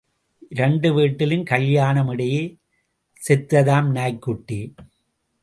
இரண்டு வீட்டிலும் கல்யாணம் இடையே செத்ததாம் நாய்க்குட்டி.